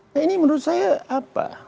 nah ini menurut saya apa